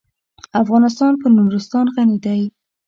افغانستان په نورستان غني دی.